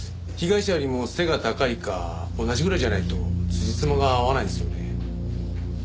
被害者よりも背が高いか同じぐらいじゃないとつじつまが合わないんですよね。